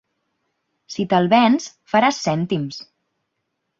Si te'l vens, faràs cèntims.